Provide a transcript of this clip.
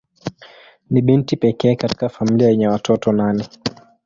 Ni binti pekee katika familia yenye watoto nane.